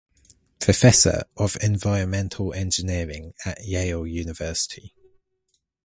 Professor of Environmental Engineering at Yale University.